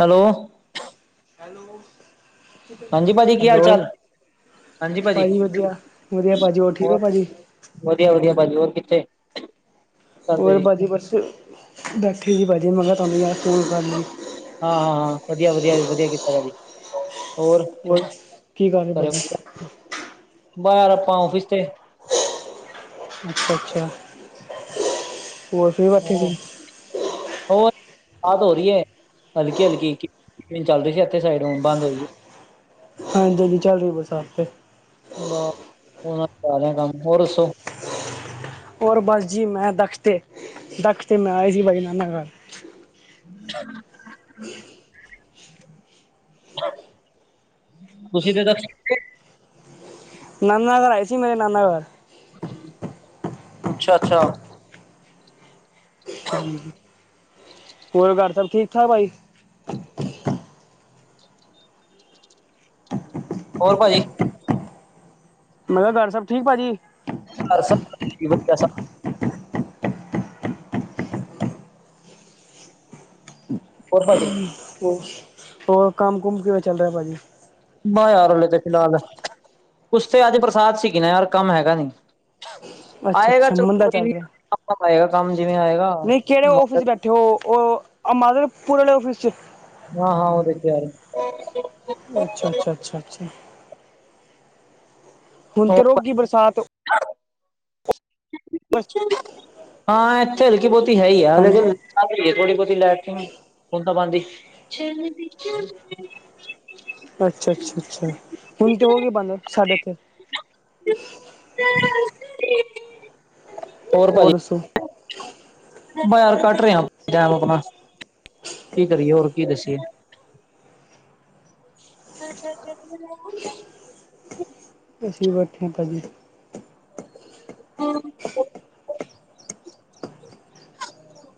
Hello hello ਹਾਂਜੀ ਭਾਜੀ ਕੀ ਹਾਲ ਹੈਲੋ ਚਾਲ ਹਾਂਜੀ ਵਧੀਆ ਵਧੀਆ ਭਾਜੀ ਹੋਰ ਠੀਕ ਹੋ ਭਾਜੀ? ਵਧੀਆ ਵਧੀਆ ਭਾਜੀ ਹੋਰ ਕਿੱਥੇ? ਕਰਦੇ ਹੋਰ ਜੀ ਬਾਜੀ ਬਸ ਬੈਠੀ ਸੀ ਭਾਜੀ ਮੈ ਕਿਆ ਤੁਆਨੂੰ ਯਾਦ ਫੋਨ ਕਰ ਲਈਏ। ਹਾਂ ਹਾਂ ਹਾਂ ਵਧੀਆ ਵਧੀਆ ਜੀ ਵਧੀਆ ਕੀਤਾ ਭਾਜੀ ਹੋਰ ਕੀ ਕਰ ਰਹੇ ਭਾਜੀ ਬਾਰ ਆਪਾਂ ਆਫਿਸ ਤੇ ਅੱਛਾ- ਅੱਛਾ ਹੋਰ ਫਰੀ ਹ ਬੈਠੇ ਸੀ ਹੋਰ ਬਾਦ ਹੋ ਰਹੀ ਹੈ ਹਲਕੀ ਹਲਕੀ ਚੱਲ ਰਹੀ ਸੀ ਇੱਥੇ ਸਾਡੇ ਹੁਣ ਬੰਦ ਹੋਈ ਹੈ। ਹਾਂਜੀ -ਹਾਂਜੀ ਚੱਲ ਰਹੀ ਹੈ ਬਰਸਾਤ ਤੇ - ਬਸ ਉਹ ਕਰ ਰਿਿਆ ਕੰਮ ਹੋਰ ਦੱਸੋ [inaudible] ਔਰ ਬਸ ਜੀ ਮੈਂ ਦਖੱ ਤੇ ਦਖ ਤੇ ਮੈਂ ਆਏ ਸੀ [inaudible] ਬਜਨਾਨਾ ਘਰ ਹਾਂ [inaudible] ਤੁਸੀਂ ਤੇ ਤ [inaudible] ਨਾਨਾ ਘਰ ਆਏ ਸੀ ਮੇਰੇ ਨਾਨਾ ਘਰ ਅੱਛਾ, ਅੱਛਾ ਹੋਰ ਘਰ ਸਭ ਠੀਕ -ਠਾਕ ਭਾਈ ਹੋਰ ਭਾਜੀ ਮੈਂ ਕਿਹਾ ਘਰ ਸਭ ਠੀਕ ਭਾਜੀ ਘਰ ਸਭ ਵਧੀਆ, ਵਧੀਆ ਸਭ ਹੋਰ ਭਾਜੀ ਹੋਰ ਕੰਮ ਕੁਮ ਕਿਵੇਂ ਚੱਲ ਰਿਹਾ ਭਾਜੀ ਬਸ ਯਾਰ ਹਲੇ ਤੇ ਫਿਲਹਾਲ, ਉਸ ਤੇ ਅੱਜ ਬਰਸਾਤ ਸੀਗੀ ਨਾ ਯਾਰ ਕੰਮ ਹੈਗਾ ਨੀ ਅੱਛਾ ਆਏਗਾ ਅੱਛਾ ਚਲੋ ਮੰਦਾ ਕੋਈ ਚੱਲ ਨੀ, ਰਿਹਾ ਆਏਗਾ ਕੰਮ ਜਿਵੇਂ ਆਏਗਾ। ਤੇ ਉਹ ਮਾਦਰ ਪੁਰ ਵਾਲੇ ਆਫਿਸ 'ਚ ਹਾਂ -ਹਾਂ ਉਹਦੇ ਵਿਚ ਅੱਛਾ, ਅੱਛਾ, ਅੱਛਾ, ਅੱਛਾ। ਹੁਣ ਤੇ ਰੁਕ ਗਈ ਬਰਸਾਤ ਹਾਂ ਇੱਥੇ ਹਲਕੀ ਬਹੁਤੀ ਹੈ ਹੀ ਆ ਹਾਂਜੀ ਲੇਕਿਨ ਥੋੜੀ ਬਹੁਤੀ ਲੈ ਬੂੰਦਾਬਾਂਦੀ ਅੱਛਾ, ਅੱਛਾ, ਅੱਛਾ ਹੁਣ ਤੇ ਹੋ ਗਈ ਬੰਦ ਸਾਡੇ ਤੇ ਹੋਰ ਭਾਜੀ? ਬਸ ਯਾਰ ਕੱਟ ਰਿਹਾ ਟ ਟਾਈਮ ਆਪਣਾ ਕੀ ਕਰੀਏ ਹੋਰ ਕੀ ਦੱਸੀਏ? ਅੱਛੱਛ [unintelligible] [unintelligible] ਅਸੀਂ ਬੈਠੇ ਭਾਜੀ ਹੁ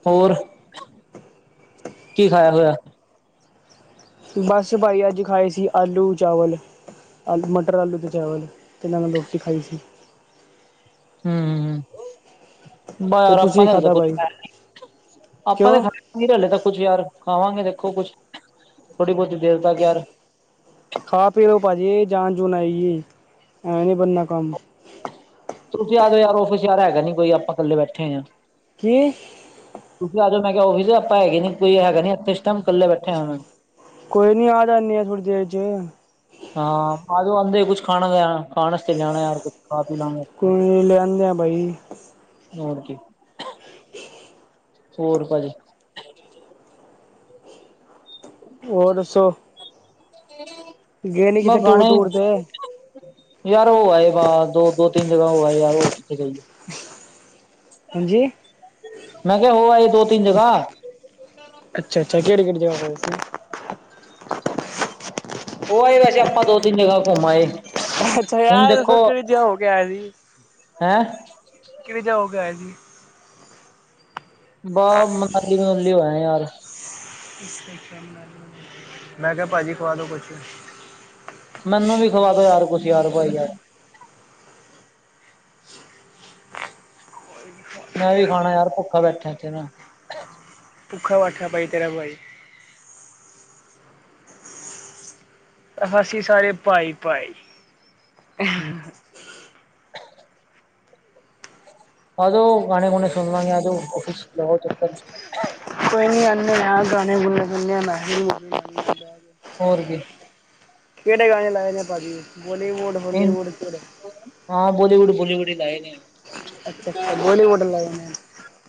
ਹੋਰ, ਕੀ ਖਾਇਆ ਹੋਇਆ। ਬਸ ਭਾਈ ਅੱਜ ਖਾਏ ਸੀ ਆਲੂ- ਚਾਵਲ ਆਲੂ ਮਟਰ ਆਲੂ ਅਤੇ ਚਾਵਲ ਅਤੇ ਨਾਲ ਰੋਟੀ ਖਾਈ ਸੀ। ਹੁ ਤੇ ਬਸ ਆਪਾ ਤੁਸੀਂ ਤ ਹਜੇ ਖਾਧਾ ਕੁਛ ਭਾਈ ਖਾਇਆ ਨਹੀ। ਕਿਉਂ ਨਹੀਂ ਹਲੇ ਤੱਕ ਕੁਛ ਯਾਰ ਖਵਾਂਗੇ ਦੇਖੋ ਕੁਛ, ਥੋੜ੍ਹੀ ਬਹੁਤ ਦੇਰ ਤੱਕ ਯਾਰ ਖਾ ਪੀ ਲੋ ਭਾਜੀ ਜਾਨ ਜੂਣ ਆਏਗੀ ਐਂਵੇ ਨੀ ਬਣਨਾ ਕੰਮ ਤੁਸੀਂ ਆ ਜਾਓ ਯਾਰ ਔਫਿਸ ਹੈਗਾ ਨੀ ਕੋਈ ਆਪਾਂ ਇਕੱਲੇ ਬੈਠੇ ਹਾਂ ਕੀ ਤੁਸੀਂ ਆ ਜਾਓ ਮੈਂ ਆਫਿਸ ਆਪਾਂ ਹੈਗੇ ਨੀ ਕੋਈ ਹੈਗਾ ਨੀ ਆਪੇ ਇਸ ਟਾਈਮ ਇਕੱਲੇ ਬੈਠੇ ਆ ਕੋਈ ਨੀ ਆ ਜਾਂਦੇ ਆ ਥੋੜੀ ਦੇਰ ਚ ਹਾਂ ਆ ਜਾਓ ਕੁਛ ਖਾਣਾ ਖਾਣ ਵਾਸਤੇ ਜਾਣਾ ਕੁਛ ਖਾ ਪੀ ਲੈਣਾ। ਕੋਈ ਲਿਆਂਦੇ ਆ ਬਾਈ ਹੋਰ ਕੀ ਹੋਰ ਭਾਜੀ ਹੋਰ ਦੱਸੋ? ਗਏ ਨੀ ਮੈਂ ਕਿਥੇ ਟੂਰ ਗਾਣੇ ਟੂਰ ਤੇ ਯਾਰ ਹੋ ਆਏ ਬਾਹਰ, ਦੋ -ਦੋ -ਤਿੰਨ ਜਗ੍ਹਾ ਹੋ ਆ ਯਾਰ ਹੋ ਕਿਥੇ ਜਾਈਏ ਹਾਂਜੀ। ਮੈਂ ਕਿਹਾ ਹੋ ਆਈ ਅੱਛਾ, ਅੱਛਾ ਕਿਹੜੀ, ਕਿਹੜੀ ਜਗ੍ਹਾ ਗਏ ਸੀ। ਹੋ ਆਏ ਵੈਸੇ ਆਪਾਂ ਦੋ -ਤਿੰਨ ਜਗ੍ਹਾ ਘੁੰਮ ਆਏ ਅੱਛਾ ਹੁਣ ਯਾਰ ਦੇਖੋ ਕਿਹੜੀ ਜਗਾ ਹੋ ਕੇ ਆਏ ਸੀ। ਹੈਂ ਕਿਹਵੇ ਜਗਾ ਹੋਕੇ ਆਏ ਜੀ। ਬਹ ਮਨਾਲੀ ਮਨੁਲੀ ਹੋਇਆ ਯਾਰ ਮੈਂ ਕਿਹਾ ਭਾਜੀ ਖਵਾ ਦਿਓ ਕੁਛ ਮੈਨੂੰ ਵੀ ਖਵਾ ਦਿੳ ਯਾਰ ਕੁਛ ਯਾਰ ਭਾਈ ਯਾਰ ਮੈਂ ਵੀ ਖਾਣਾ ਯਾਰ ਭੁੱਖਾ ਬੈਠਿਆ ਏਥੇ ਮੈਂ ਭੁੱਖਾ ਬੈਠਾ ਭਾਈ ਤੇਰਾ ਭਾਈ ਅਸੀ ਸਾਰੇ ਭਾਈ, ਭਾਈ। ਆਜੋ ਗਾਣੇੇ ਗੁਣੇੇ ਸੁਣਲਾ ਗੇ ਆਜੋ ਆਫਿਸ ਲਗਾਓ ਚਕਰ ਜੀ ਕੋਈ ਨੀ ਆਂਦੇ ਹ ਗਾਣੇ ਗੁਣੇ ਸੁਨਦੇ ਆ [unintelligible] ਹੋਰ ਕੀ ਕਿਹੜੇ ਗਾਣੇ ਲਾਏ ਨੇ ਭਾਜੀ ਬੋਲੀਵੁੱਡ ਨਹੀਂ ਹੋਲੀਵੁੱਡ ਕਿਹੜੇ ਹਾਂ ਬੋਲੀਵੁੱਡ ਬੋਲੀਵੁੱਡ ਹੀ ਲਾਏ ਨੇ ਆ ਅੱਛਾ, ਅੱਛਾ ਬੋਲੀਵੁੱਡ ਲਾਏ ਨੇ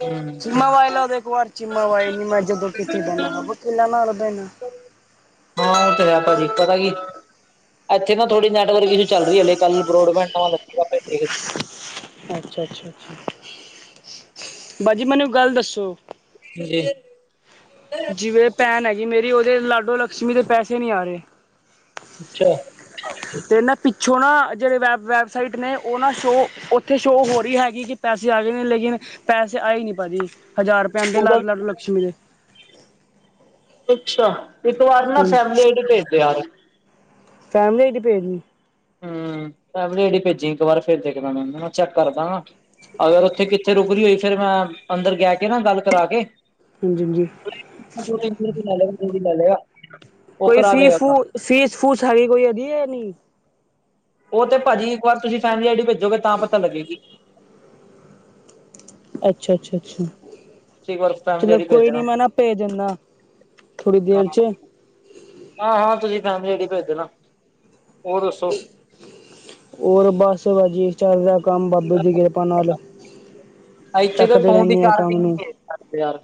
ਹੂੰ ਚੀਮਾ ਵਾਈ ਲਾਦਾ ਇੱਕ ਵਾਰ ਚੀਮਾ ਵਾਾਈ ਨੀ ਮੈਂ ਜਦੋਂ ਕਿੱਥੇ ਬਹਦਾ ਹ ਵ ਕਿਲਾ ਨਾਲ ਲ ਦੇੈਣਾ਼਼ ਹਾਂ ਉਹ ਤੇ ਹੈ ਚਲਾ ਕੀ। ਇੱਥੇ ਨਾ ਥੋੜੀ ਨੈੱਟਵਰਕ ਇਸ਼ੂ ਚੱਲ ਰਹੀ ਹੈ ਕੱਲ ਬਰੋਡ ਬੈਂਟਾਂ ਵੱਲ। ਅੱਛਾ ਅੱਛਾ ਭਾਜੀ ਮੈਨੂੰ ਗੱਲ ਦੱਸੋ। ਜੀ। ਜਿਵੇਂ ਭੈਣ ਹੈਗੀ ਮੇਰੀ ਉਹਦੇ ਲਾਡੋ ਲਕਸ਼ਮੀ ਦੇ ਪੈਸੇ ਨਹੀਂ ਆ ਰਹੇ। ਅੱਛਾ। ਤੇ ਨਾ ਪਿੱਛੋਂ ਨਾ ਜਿਹੜੇ ਵੈਬ ਵੈਬਸਾਈਟ ਨੇ ਉਹ ਨਾ ਸ਼ੋਅ ਉੱਥੇ ਸ਼ੋਅ ਹੋ ਰਹੀ ਹੈਗੀ ਕਿ਼ ਪੈਸੇ ਆ ਗਏ ਨੇ ਲੇਕਿਨ ਪੈਸੇ ਆਏ ਨਹੀਂ ਭਾਜੀ ਹਜ਼ਾਰ ਰੁਪਏ ਉਹਦਾ ਲੱਗ ਲੱਗ ਲਕਸ਼ਮੀ ਦੇ਼਼ ਅੱਛਾ ਇੱਕ ਵਾਰ ਨਾ ਹਾਂਜੀ ਫੈਮਲੀ ਇੱਥੇ ਭੇਜਦੇ ਯਾਰ। ਫੈਮਿਲੀ ਇਹਦੀ ਭੇਜਣੀ ਹੂ ਫੈਮਲੀ ਇਦੀ ਭੇਜੀ ਇੱਕ ਵਾਰ ਫਿਰ ਦੇਖਣਾ ਮ ਚੈੱਕ ਕਰਦਾ਼ ਅਗਰ ਓਥੇ-ਕਿੱਥੇ ਰੁਕਰੀ ਹੋਈ, ਫੇਰ ਮੈਂ ਅੰਦਰ ਗੈ ਕੇ ਨਾ ਗੱਲ ਕਰਾ ਕੇ ਹਾਂਜੀ-ਹਾਂਜੀ। ਦੋ-ਤਿਨ ਪੂਰੇ-ਪੂਰੇ ਲੈ ਲੇਗਾ, ਦੋ ਤਿਨ ਲੈ ਲੇਗਾ। ਉਹ ਕੋਈ ਕਰਾ ਦੇਗਾ ਫੀਸ ਫੂ ਕੰਮ ਫੀਸ ਫੂਸ ਹਗੀ ਕੋਈ ਅਧੀ ਹੈ ਨਹੀਂ ਉਹ ਤੇ ਭਾਜੀ ਇੱਕ ਵਾਰ ਤੁਸੀਂ ਫੈਮਿਲੀ ਆਈਡੀ ਭੇਜੋਗੇ ਤਾਂ ਪਤਾ ਲੱਗੇਗੀ। ਅੱਛਾ, ਅੱਛਾ, ਅੱਛਾ। ਤੁਸੀਂ ਇੱਕ ਵਾਰ ਫੈਮਿਲੀ ਚਲੋ ਆਈਡੀ ਭੇਜ ਕੋਈ ਨੀ ਦੇਣਾ ਮੈਂ ਨਾ ਪੇ ਜਾਂਦਾ ਥੋੜੀ ਦੇਰ ਚ ਹਾਂ, ਹਾਂ ਤੁਸੀਂ ਫੈਮਲੀ ਆਇਡੀ ਭੇਜ ਦੇਨਾ ਹੋਰ ਦੱਸੋ। ਹੋਰ ਬਸ ਵਜੇ। ਚੱਲਦਾ ਕੰਮ ਬਾਬੇ ਦੀ ਕਿਰਪਾ ਨਾਲ ਚੱਕਦੇ ਰਹਿੰਦੇ ਹੈ ਕੰਮ ਨੂੰ ਹੱਤ ਯਾਰ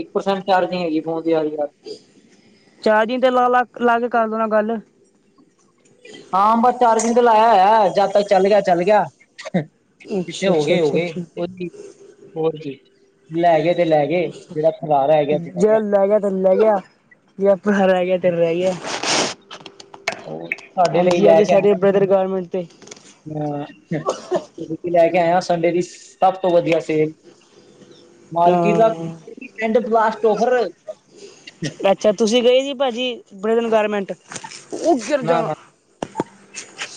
ਇੱਕ ਪਰਸੈਂਟ ਚਾਰਜ ਨਹੀਂ ਹੈਗੀ ਫੋਨ ਦੀ ਐਵੇਂ ਯਾਰ। ਚਾਰੀ ਦੇ ਨੌ ਲੱਖ ਲੱਗ ਕਰ ਦੇਣਾ ਕੱਲ ਹਾਂ ਬਸ ਚਾਰਜਿੰਗ ਤੇ ਲਾਇਆ ਆ ਜਦ ਤ ਚੱਲ ਗਿਆ ਚੱਲ ਗਿਆ ਜਿੱਥੇ ਅੱਛਾ ਹੋ ਅੱਛਾ ਗਏ ਹੋ ਅੱਛਾ ਗਏ ਅੱਛਾ ਉੱਥੇ ਹੀ ਹੋਰ ਕੀ ਲੈ ਗਏ ਤੇ ਲੈ ਗਏ ਜਿਹੜਾ ਫਰਾਰਾ ਹੈ ਗਿਆ ਇੱਥੇ ਬਹਿ ਜਾ ਗੰਦਾ ਜਿਹਾ ਰਹਿ ਗਿਆ ਤੇਰੇ ਰਹਿ ਗਿਆ ਉਹ ਤੁਹਾਡੇ ਹਾਂਜੀ ਹਜੇ ਸਾਡੇ ਬ੍ਰਦਰ ਗਰਮੈਂਟ ਤੇ ਹੂ,,, ਤੂੰ ਜੁੱਤੀ ਲੈ ਕੇ ਆਏ ਹੋ ਸੰਡੇ ਦੀ ਸਭ ਤੋਂ ਵਧੀਆ ਸੇਲ। ਮਾਰਕੀਟ ਦਾ ਹਾਂ ਕਿਉਂਕਿ ਐਂਡ ਬਲਾਸਟ ਓਵਰ ਅੱਛਾ ਤੁਸੀਂ ਗਏ ਸੀ ਭਾਜੀ ਬੜੇ ਦਿਨ ਗੈਰਮਿੰਟ ਉਹ ਗਿਰ ਨਾ ਜਾਣਾ। ਨਾ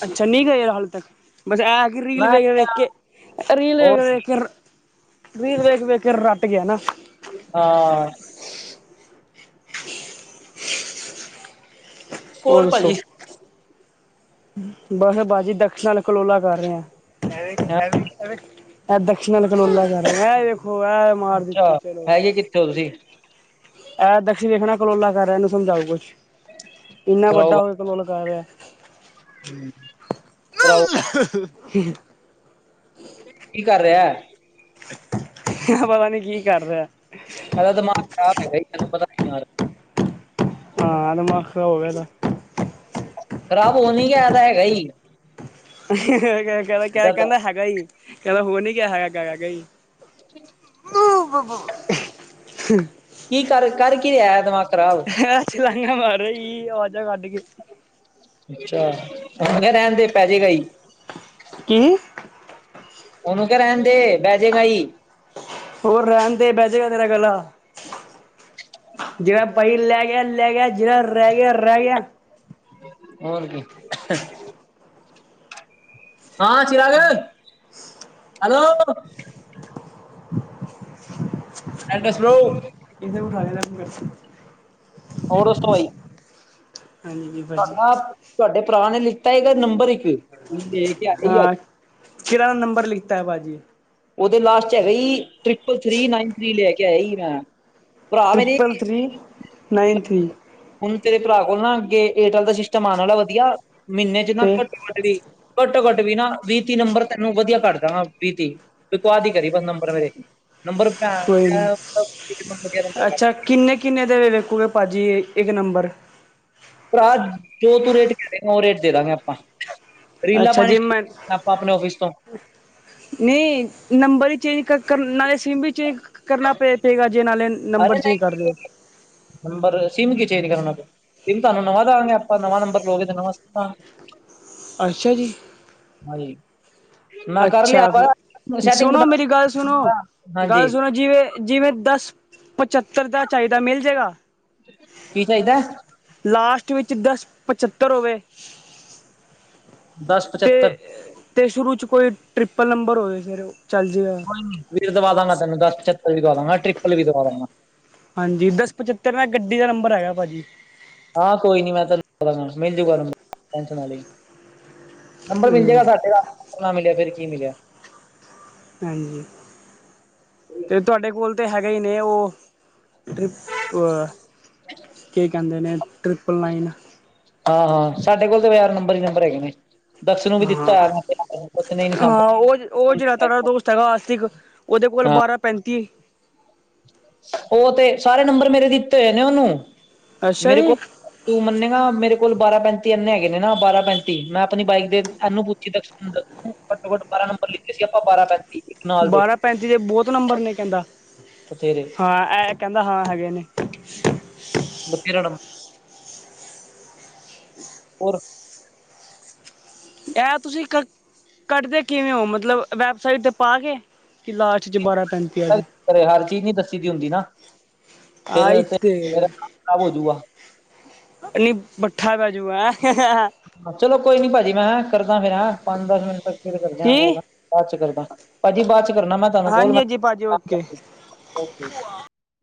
ਅੱਛਾ ਨਹੀਂ ਗਏ ਹਾਲੇ ਤੱਕ ਬਸ ਐ ਰੀਲ ਮੈਂ ਵੇਖ ਕਿਹਾ ਕੇ ਰੀਲ ਵੇ। ਕਰ ਮੀਂਹ ਵੇਖ ਵੇਖ ਕੇ ਰਟ ਗਿਆ ਨਾ ਹਾਂ। ਹੋ ਹੋਰ ਦੱਸੋ ਭਾਜੀ ਬਸ ਭਾਜੀ ਦਸ਼ਣ ਕਲੋਲਾ ਕਰ ਰਹੇਹਾ਼। ਇਹ ਵੇਖ ਹੈਂ ਐ ਇਹ ਵੇਖ ਐ ਦਕਸ਼ਣ ਕਨੋਲਾ ਕਰ ਇਹ ਵੇਖੋ ਐ। ਅੱਛਾ ਹੈਗੇ ਕਿੱਥੋਂ ਹੋ ਤੁਸੀਂ। ਇਹ ਦਕਸ਼ਿ ਵੇਖਣਾ ਕਲੋਲਾ ਕਰ ਰਿਹਾ ਇਹਨੂੰ ਸਮਝਾਓ ਕੁਛ ਇੰਨਾ ਵੱਡਾ ਹੋਏ। ਕਲੋਲ ਕਰ ਰਿਹਾ ਹੂੰ, ਕਰਾਓ। [unintelligible] ਕੀ ਕਰ ਰਿਹਾ। ਪਤਾ ਨੀ, ਕੀ ਕਰ ਰਿਹਾ ਆ। ਇਹਦਾ ਦਿਮਾਗ, ਖਰਾਬ ਹੈਗਾ ਹੀ। ਤੇਨੂੰ ਪਤਾ ਨ ਬਿਮਾਰ। ਹਾਂ, ਦਿਮਾਗ ਖਰਾਬ ਹੋ ਗਿਆ ਇਹਦਾ। ਖਰਾਬ ਹੋ ਨੀ ਗਿਆ, ਐਦਾ ਹੈਗਾ ਹੀ। ਕਹਿੰਦਾ- ਜਦ ਕਹਿੰਦਾ, ਹੈਗਾ ਹੀ। ਕਹਿੰਦਾ ਹੋ ਨੀ ਗਿਆ ਹੈਗਾ- ਹੈਗਾ ਹੀ। ਹ ਬ ਬ [unintelligible] ਕੀ ਕਰ, ਕਰ ਕੀ ਰਿਹਾ ਹੈ। ਦਿਮਾਗ ਖਰਾਬ। ਕਿਹਾ ਰਿਹਾ ਹੈ, ਛਲਾਂਘਾ ਮਾਰ ਰਿਹਾ ਸੀ, ਆਵਾਜ਼ਾਂ ਕੱਢ ਕੇ। ਅੱਛਾ। ਹੁਣ ਰਹਿਣ ਦੇ, ਪੈ ਜਾਏਗਾ ਹੀ। ਕੀ। ਉਹਨੂੰ ਕਹ ਰਹਿਣ ਦੇ, ਬਹਿ ਜਾਇਗਾ ਈ। ਹੋਰ ਰਹਿਣ ਦੇ, ਬਹਿ ਜੇਗਾ ਤੇਰਾ ਗਲਾ। ਜਿਹੜਾ ਭਾਈ, ਲੈ ਗਿਆ- ਲੈ ਗਿਆ। ਜਿਹੜਾ ਰਹਿ ਗਿਆ- ਰਹਿ ਗਿਆ। ਹੋਰ ਕੀ। ਹਾਂ, ਚੀਰਾ ਗੇ। ਹੈਲੋ। ਡੈਂਡ ਸੋ। ਇੰਨੇ ਉਠਾ, ਦੇਣਾ ਮੇਰੇ ਸੇ। ਹੋਰ, ਸੋਵਾਈ ਹਾਂਜੀ ਜੀ ਭਾਜੀ ਤੁਡਾ। ਤੁਹਾਡੇ ਭਰਾ ਨੇ, ਲਿੱਤਾ ਹੈਗਾ। ਨੰਬਰ ਇੱਕ, ਬੜੀ ਦੇਰ ਸੇ ਆਤੀ ਹੈ। ਹਾਂ ਕਿਹੜਾ ਨੰਬਰ, ਲਿਖਤਾ ਹੈ। ਬਾਅਜੀ। ਉਹਦੇ ਲਾਸਟ ਚ ਹੈਗਾ ਭੀ। ਟ੍ਰਿਪਲ ਥ੍ਰਰੀ, ਨਾਈਨ, ਥ੍ਰੀ, ਲੈ ਕੇ ਆਇਆ ਹੇਗਾ। Triple three, nine three. ਹੁਣ ਤੇਰੇ ਭਰਾ ਕੋਲ ਨਾ, ਅੱਗੇ ਏਅਰਟੈਲ ਦਾ, ਸਿਸਟਮ ਆਉਣ ਵਾਲਾ, ਵਧੀਆ ਮਹੀਨੇ ਚ ਨਾ ਘੱਟ ਘੱਟੋ- ਘੱਟ, ਵੀ ਨਾ। ਵੀ, ਤੀਹ ਨੰਬਰ ਤੈਨੂੰ ਵਧੀਆ ਕਰ ਦਾਵਾ, ਵੀ, ਤੀਹ। ਇੱਕ ਬਾਦ ਹੀ, ਕਰੀ ਬਸ ਨੰਬਰ ਮੇਰੇ। ਨੰਬਰ [unintelligible] ਅੱਛਾ ਕਿੰਨੇ- ਕਿੰਨੇ, ਦੇ, ਵੇਕੋਗੇ ਭੱਜੀ, ਇੱਕ ਨੰਬਰ। ਭਰਾ, ਜੋ ਤੂੰ ਰੇਟ ਕਰੇਗਾ। ਉਹ ਰੇਟ ਦੇ ਦਾਂਗੇ ਆਪਾਂ। ਰਰੀਲਾ ਪਾਣੀ ਸ਼ੁਰੂ, ਕੀਤੀ ਨਾ। ਆਪਾਂ ਆਪਣੇ ਆਫਿਸ ਤੋਂ। ਅ [unintelligible] ਨਹੀਂ ਨੰਬਰ ਵੀ, ਚੇਂਜ ਕ ਕ ਕਰਨਾ ਹੈ। ਸਿੰਮ ਵੀ ਚੇਂਜ ਕ ਕਰਨਾ ਪਏ ਜਾਏਗਾ। ਜੇ ਨਾਲੇ ਅਰੇ ਨੰਬਰ ਚੇਂਜ ਕਰ ਲਿਓ ਨਹੀਂ, ਨੰਬਰ ਸਿਮ ਕੀ, ਚੇਂਜ ਕਰਨਾ ਪ ਸਿਮ ਤੁਹਾਨੂੰ ਨਵਾਂ, ਦਵਾਂਗੇ ਆਪਾਂ। ਨਵਾਂ ਨੰਬਰ ਲਗੇ ਤੇ ਨਵਾਂ ਸੀਮ ਦਵਾਂਗੇ। ਅੱਛਾ ਜੀ। ਹਾਂਜੀ। ਮੈਂ ਕਰ ਲਿਆ ਅੱਛਾ। ਫੇਰ, ਵਾ ਸੈਟਿੰਗ ਸੁਣੋ ਬਿਠਾ ਮੇਰੀ ਗੱਲ ਸੁਣੋ। ਗਾਲ ਹਾਂਜੀ ਸੁਣੋ ਜੀਵੇ ਜਿਵੇਂ, ਦਸ, ਪਚੱਤਰ ਦਾ, ਚਾਹੀਦਾ। ਮਿਲ ਜੇਗਾ। ਕੀ ਚਾਹੀਦਾ? ਲਾਸਟ ਵਿੱਚ, ਦਸ, ਪਝੱਤਰ ਹੋਵੇ। ਦਸ ਪਚੱਤਰ ਤੇ, ਤੇ ਸ਼ੁਰੂ ਚ। ਕੋਈ ਟ੍ਰਿਪਲ ਨੰਬਰ, ਹੋਵੇ ਫੇਰ ਚੱਲ ਜਾਏਗਾ। ਵੀਰ, ਦਵਾ ਦਾਂਗਾ ਤੈਨੂੰ। ਦਸ, ਚਛੱਤਰ ਵੀ, ਦਵਾ ਦਵਾਂਗਾ। ਟ੍ਰਿਪਲ ਵੀ ਦਵਾ ਦਾਂਗਾ। ਹਾਂਜੀ। ਦਸ, ਪਚੱਤਰ ਮੈਂ ਗੱਡੀ ਦਾ, ਨੰਬਰ ਹੈਗਾ ਭਾਜੀ। ਹਾਂ ਕੋਈ ਨੀ, ਮੈਂ ਤੁਹਾਨੂੰ ਮਿਲ ਜੂਗਾ, ਨੰਬਰ ਟੈਂਸ਼ਨ ਨਾ ਲਈ। ਨੰਬਰ ਮਿਲ ਹਾਂਜੀ ਜਾਏਗਾ, ਸਾਡੇ ਵਾਲਾ। ਨਾ ਮਿਲਿਆ, ਫੇਰ ਕੀ ਮਿਲਿਆ। ਹਾਂਜੀ। ਤੇ ਤੁਹਾਡੇ ਕੋਲ ਤਾਂ, ਹੈਗੇ ਹੀ ਨੇ। ਉਹ ਟ੍ਰਿਪ ਕੀ ਕਹਿੰਦੇ ਨੇ, ਟ੍ਰਿਪਲ ਨਾਈਨ। ਹਾਂ- ਹਾਂ। ਸਾਡੇ ਕੋਲ ਤਾਂ ਯਾਰ, ਨੰਬਰ ਹੀ ਨੰਬਰ ਹੈਗੇ ਨੇ। ਦਕਸ਼ ਨੂੰ ਵੀ ਦਿੱਤਾ ਹਾਂ। ਯਾਰ ਮੈਂ ਉਹਨੇ ਨੀ ਹਾਂ ਉਹ, ਉਹ ਜਿਹੜਾ, ਤੁਡਾ ਸਾਂਭਿਆ ਦੋਸਤ। ਸਗਾ ਸਾਤਿਕ, ਉਹਦੇ ਕੋਲ ਹਾਂ ਬਾਰਾ, ਪੈਂਤੀ। ਉਹ ਤੇ, ਸਾਰੇ ਨੰਬਰ ਮੇਰੇ, ਦਿੱਤੇ ਹੋਏ ਨੇ ਉਹਨੂੰ। ਅੱਛਾ ਮੇਰੇ ਕੋਲ ਜੀ ਤੂੰ ਮੰਨੇਗਾ ਮੇਰੇ ਕੋਲ ਬਾਰਾਂ ਪੈਂਤੀ ਐੰਨੇ ਹੈਗੇ ਨੇ ਨਾ ਬਾਰਾਂ-ਪੈਂਤੀ ਮੈਂ ਆਪਣੀ ਬਾਈਕ ਦੇ ਇਹਨੂੰ ਪੁੱਛੀ ਦਕਸ਼ ਨੂੰ ਘੱਟੋ-ਘੱਟ ਬਾਰ੍ਹਾਂ ਨੰਬਰ ਲਿੱਤੇ ਸੀ ਆਪਾਂ ਬਾਰ੍ਹਾਂ ਪੈਂਤੀ ਤੇ ਬਾਰ੍ਹਾਂ ਪੈਂਤੀ ਦੇ ਬਹੁਤ ਨੰਬਰ ਨੇ ਕਹਿੰਦਾ- ਉਹ ਤੇੇਰੇ ਹਾਂ ਇਹ ਕਹਿੰਦਾ ਹਾਂ ਹੈਗੇ ਨੇ। ਮੱਤੀ ਰਾੜਾ। ਔਰ ਇਹ ਤੁਸੀਂ ਕ ਕੱਰਦੇ ਕਿਵੇਂ ਹੋ ਮਤਲਬ ਵੈਬਸਾਈਟ'ਤੇ ਪਾ ਕੇ ਕਿ ਲਾਸਟ ਚ ਬਾਰਾਂ ਪੈਂਤੀ ਆ ਜੇ ਘਰੇ ਹਰ ਚੀਜ਼ ਨੀ ਦੱਸੀ ਦੀ ਹੁੰਦੀ ਨਾ ਫੇਰ ਆਈ ਤੇ ਮੇਰਾ ਤੇਰੀ ਕੰਮ ਖ਼ਰਾਬ ਹੋਜੂਗਾ। ਨਹੀਂ ਭੱਠਾ ਬੈਹਜੂਗਾ ਹੈਂ ਚਲੋ ਕੋਈ ਨੀ ਪਾਜੀ ਮੈਂ ਹੈ ਕਰਦਾ ਫੇਰ ਹੈ ਪੰਜ-ਦਸ ਮਿੰਟ ਤੱਕ ਫਿਰ ਕਰਦਾ। ਕੀ ਬਾਦ ਚ ਕਰਦਾ ਪਾਜੀ ਬਾਦ ਚ ਕਰਨਾ ਮੈਂ ਤੁਹਾਨੂੰ ਕੌਲ ਹਾਂਜੀ ਹਾਂਜੀ ਭਾਜੀ ਕੰਮ ਓਕੇ ਕਰਲਾ